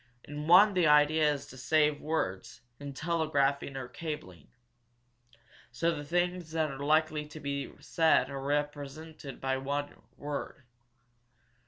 In one kind the idea is to save words in telegraphing or cabling. So the things that are likely to be said are represented by one word.